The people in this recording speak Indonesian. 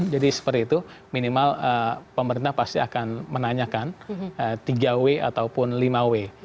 jadi seperti itu minimal pemerintah pasti akan menanyakan tiga w ataupun lima w